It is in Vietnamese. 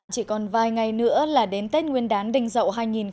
chỉ còn vài ngày nữa là đến tết nguyên đán đình dậu hai nghìn một mươi bảy